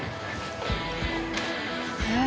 えっ？